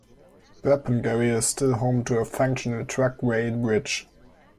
Burpengary is still home to a functional truck weigh-bridge.